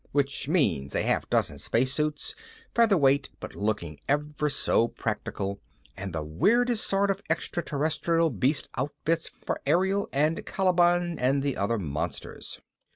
_ which means a half dozen spacesuits, featherweight but looking ever so practical, and the weirdest sort of extraterrestrial beast outfits for Ariel and Caliban and the other monsters.